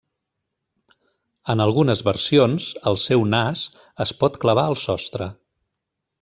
En algunes versions el seu nas es pot clavar al sostre.